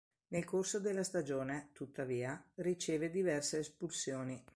Nel corso della stagione, tuttavia, riceve diverse espulsioni.